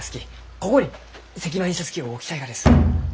ここに石版印刷機を置きたいがです。